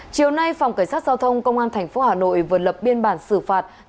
chiều nay phòng cảnh sát giao thông công an tp hà nội vừa lập biên bản xử phạt